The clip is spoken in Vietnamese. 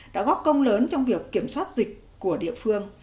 đã góp công lớn trong việc kiểm soát dịch của địa phương